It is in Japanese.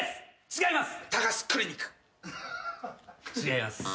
違います。